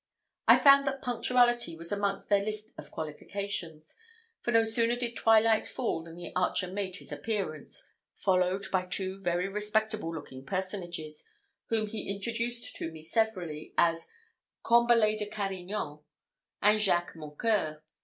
I found that punctuality was amongst their list of qualifications; for no sooner did twilight fall than the archer made his appearance, followed by two very respectable looking personages, whom he introduced to me severally as Combalet de Carignan, and Jacques Mocqueur.